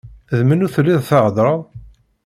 D menhu telliḍ theddreḍ?